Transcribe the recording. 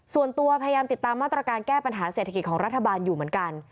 ส่วนตัวพยายามติดตามมาตรการแก้ปัญหาเศรษฐกิจของรัฐบาลอยู่เหมือนกัน